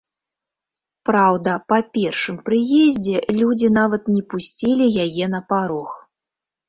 Праўда, па першым прыездзе людзі нават не пусцілі яе на парог.